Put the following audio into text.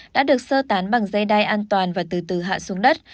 đã được sơ tán bằng dây đai an toàn và từ từ hạ xuống đất